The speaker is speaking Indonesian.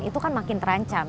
itu kan makin terancam